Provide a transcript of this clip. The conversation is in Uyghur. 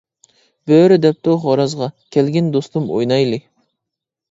بۆرە دەپتۇ خورازغا، كەلگىن دوستۇم ئوينايلى.